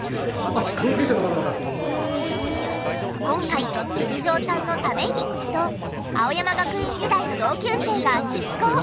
今回海老蔵さんのためにと青山学院時代の同級生が集合。